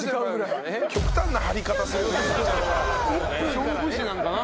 勝負師なのかな。